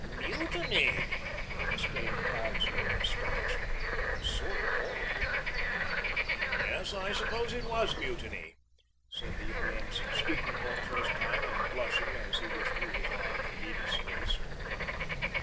"Mutinied!" exclaimed Cloudesley, in astonishment, and a sort of horror. "Yes, I suppose it was mutiny," said the young ensign, speaking for the first time and blushing as he withdrew his arm from Edith's waist.